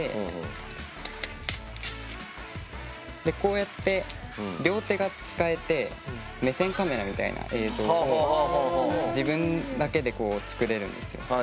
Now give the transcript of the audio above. でこうやって両手が使えて目線カメラみたいな映像を自分だけでこう作れるんですよ。